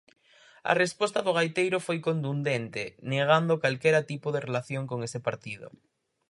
A resposta do gaiteiro foi contundente negando calquera tipo de relación con ese partido.